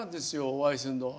お会いするのは。